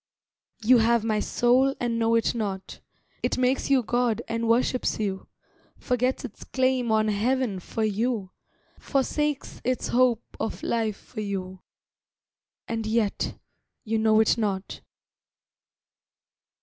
You have my soul and know it not, It makes you God and worships you, Forgets its claim on Heaven for you, Forsakes its hope of life for you, And yet—you know it not.